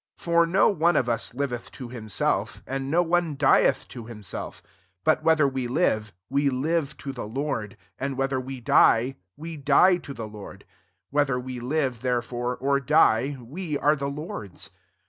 7 For no one of as liveth to himself, and no one diethto himself; 8 but whether we live, we live to the liord : and whether we die, we die to the Lord: whether we live therefore, or die, we are tke Lord's.